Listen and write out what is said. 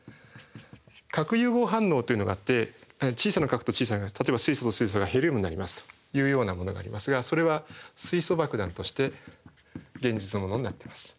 核融合反応というのがあって小さな核と小さな核例えば水素と水素がヘリウムになりますというようなものがありますがそれは水素爆弾として現実のものになってます。